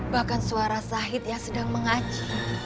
bahkan suara sahid yang sedang mengaji